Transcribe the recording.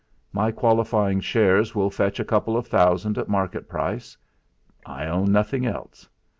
My qualifying shares will fetch a couple of thousand at market price. I own nothing else.